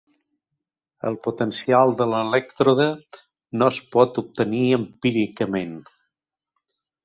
El potencial de elèctrode no es pot obtenir empíricament.